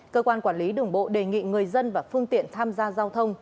cơ quan quản lý đường bộ đề nghị người dân và phương tiện tham gia giao thông